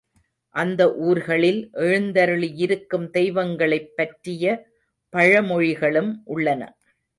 அந்த ஊர்களில் எழுந்தருளியிருக்கும் தெய்வங்களைப் பற்றிய பழமொழிகளும் உள்ளன.